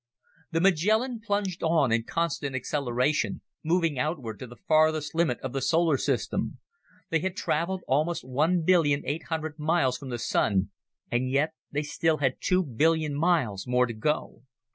The Magellan plunged on, in constant acceleration, moving outward to the farthest limit of the solar system. They had traveled almost one billion, eight hundred million miles from the Sun and yet they still had two billion miles more to go.